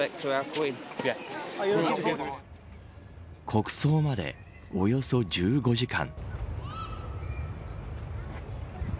国葬までおよそ１５時間。